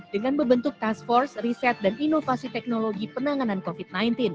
dengan membentuk task force riset dan inovasi teknologi penanganan covid sembilan belas